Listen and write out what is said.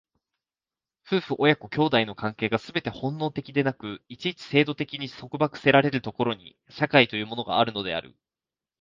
夫婦親子兄弟の関係がすべて本能的でなく、一々制度的に束縛せられる所に、社会というものがあるのである。